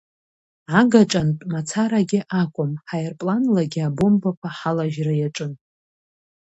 Агаҿантә амацарагьы акәым, ҳаирпланлагьы абомбақәа ҳалажьра иаҿын.